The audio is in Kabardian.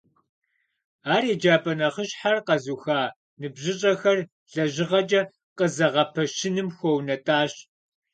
Ар еджапӀэ нэхъыщхьэр къэзуха ныбжьыщӀэхэр лэжьыгъэкӀэ къызэгъэпэщыным хуэунэтӀащ.